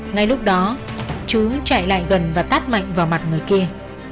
ngay lúc đó chú chạy lại gần và tát mạnh vào mặt người kia